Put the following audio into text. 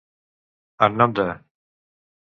En nom de.